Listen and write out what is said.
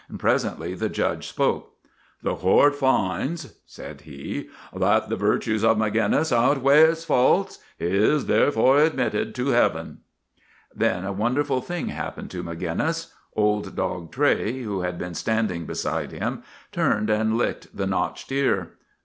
Presently the judge spoke. " The Court finds," said he, " that the virtues of Maginnis outweigh his faults. He is therefore ad mitted to Heaven." V Then a wonderful thing happened to Maginnis. Old Dog Tray, who had been standing beside him, turned and licked the notched ear.